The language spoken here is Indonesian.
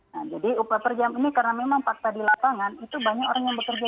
nah jadi upah per jam ini karena memang fakta di lapangan itu banyak orang yang bekerja